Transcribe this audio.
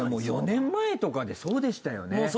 ４年前とかでそうでしたよね？